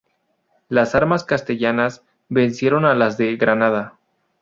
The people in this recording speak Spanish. Las armas castellanas vencieron a las de Granada.